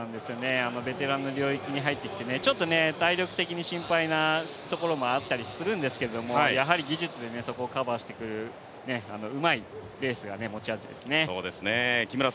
ベテランの領域に入ってきて、ちょっと体力的に心配なところもあったりするんですけれどもやはり技術でそこをカバーしてくれる、うまいレースが持ち味ですね。